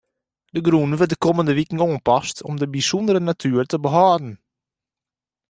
De grûn wurdt de kommende wiken oanpast om de bysûndere natuer te behâlden.